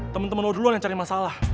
temen temen lo duluan yang cari masalah